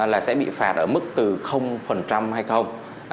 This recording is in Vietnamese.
là sẽ bị phạt ở mức từ hay không